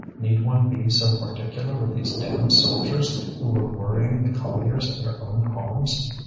Need one be so particular with these damned soldiers who were worrying the colliers in their own homes?